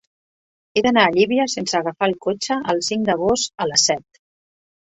He d'anar a Llívia sense agafar el cotxe el cinc d'agost a les set.